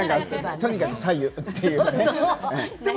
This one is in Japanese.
とにかく白湯というね。